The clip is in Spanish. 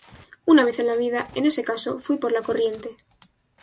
Una vez en la vida, en ese caso, fui por la corriente.